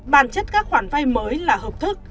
bản chất các khoản vay mới là hợp thức